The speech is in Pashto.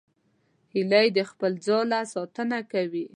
هیلۍ د خپل ځاله ساتنه کوي